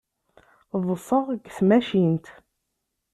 Ḍḍseɣ deg tmacint.